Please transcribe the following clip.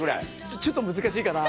ちょっと難しいかな